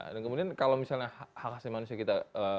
dan kemudian kalau misalnya hak khas manusia kita